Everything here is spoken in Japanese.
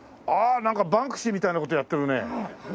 なんかバンクシーみたいな事やってるね。